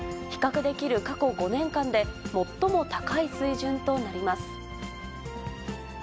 比較できる過去５年間で、最も高い水準となります。